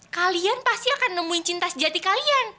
kalian pasti akan nemuin cinta sejati kalian